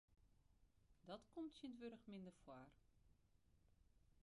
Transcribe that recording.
Dat komt tsjintwurdich minder foar.